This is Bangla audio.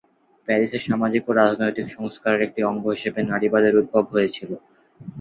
প্যারিসে সামাজিক ও রাজনৈতিক সংস্কারের একটি অঙ্গ হিসেবে নারীবাদের উদ্ভব হয়েছিল।